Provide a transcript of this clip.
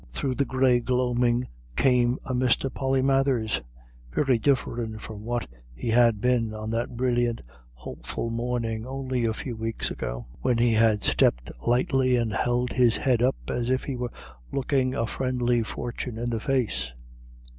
Through the grey gloaming came a Mr. Polymathers, very different from what he had been on that brilliant, hopeful morning only a few weeks ago, when he had stepped lightly, and held his head up as if he were looking a friendly fortune in the face.